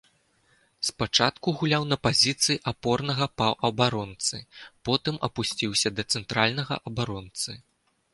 Спачатку гуляў на пазіцыі апорнага паўабаронцы, потым апусціўся да цэнтральнага абаронцы.